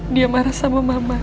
dia marah sama mama